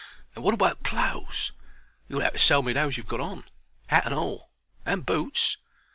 And what about clothes? You'll 'ave to sell me those you've got on. Hat and all. And boots."